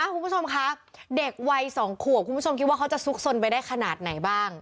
คุณผู้ชมคะเด็กวัย๒ขวบคุณผู้ชมคิดว่าเขาจะซุกสนไปได้ขนาดไหนบ้าง